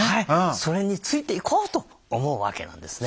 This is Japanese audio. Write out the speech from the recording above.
それについていこうと思うわけなんですね。